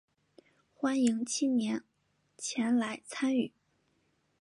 欢迎青年前来参与